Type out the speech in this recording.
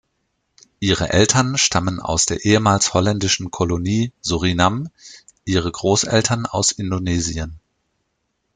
Ihre Eltern stammen aus der ehemals holländischen Kolonie Surinam, ihre Großeltern aus Indonesien.